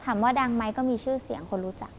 ถามว่าดังไหมก็มีชื่อเสียงคนรู้จัก